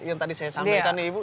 yang tadi saya sampaikan ibu